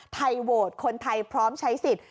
โหวตคนไทยพร้อมใช้สิทธิ์